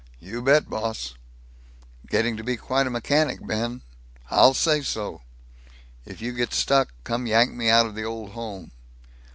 "You bet, boss." "Getting to be quite a mechanic, Ben." "I'll say so!" "If you get stuck, come yank me out of the Old Home."